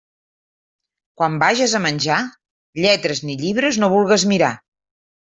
Quan vages a menjar, lletres ni llibres no vulgues mirar.